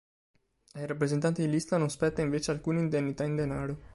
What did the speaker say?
Ai rappresentanti di lista non spetta invece alcuna indennità in denaro.